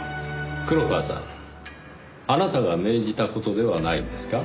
黒川さんあなたが命じた事ではないんですか？